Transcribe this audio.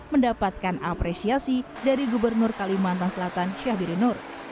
mendapatkan apresiasi dari gubernur kalimantan selatan syahbirin nur